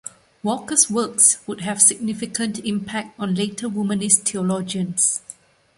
Walker's works would have significant impact on later womanist theologians.